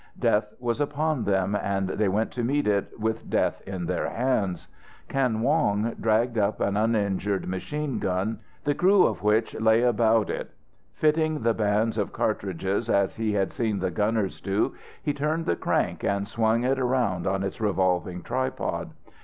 Death was upon them, and they went to meet it with death in their hands. Kan Wong dragged up an uninjured machine gun the crew of which lay about it. Fitting the bands of cartridges as he had seen the gunners do, he turned the crank and swung it round on its revolving tripod.